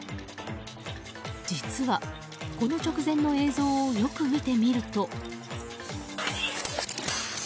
実は、この直前の映像をよく見てみると。